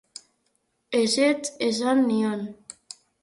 Ezetz esan nion.